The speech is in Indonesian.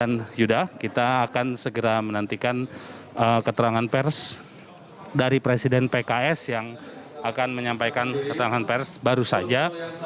dan sudah kita akan segera menantikan keterangan pers dari presiden pks yang akan menyampaikan keterangan pers baru saja